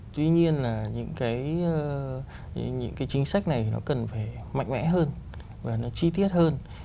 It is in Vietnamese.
tuy nhiên là những cái chính sách này nó cần phải mạnh mẽ hơn và nó chi tiết hơn